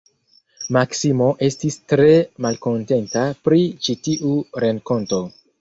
Maksimo estis tre malkontenta pri ĉi tiu renkonto.